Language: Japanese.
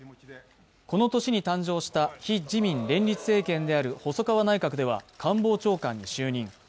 この年に誕生した非自民連立政権である細川内閣では官房長官に就任。